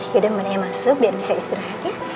yaudah mbaknya masuk biar bisa istirahat ya